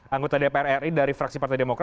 anggota dpr ri dari fraksi partai demokrat